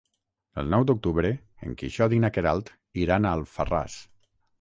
El nou d'octubre en Quixot i na Queralt iran a Alfarràs.